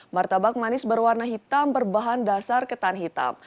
martabak manis berwarna hitam berbahan dasar ketan hitam